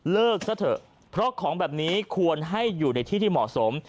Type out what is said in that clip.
ซะเถอะเพราะของแบบนี้ควรให้อยู่ในที่ที่เหมาะสม